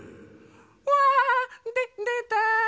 わあででた！